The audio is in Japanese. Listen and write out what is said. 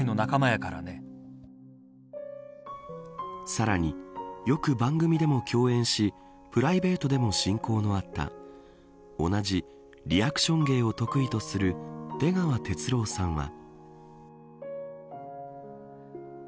さらに、よく番組でも共演しプライベートでも親交のあった同じリアクション芸を得意とする出川哲朗さんは。